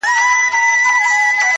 يوه غټ سترگي دومره لېونتوب ته رسيدلې’